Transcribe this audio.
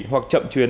hoặc chậm chuyến